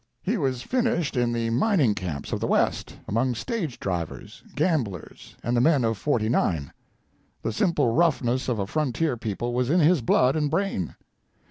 "He was finished in the mining camps of the West among stage drivers, gamblers and the men of '49. The simple roughness of a frontier people was in his blood and brain.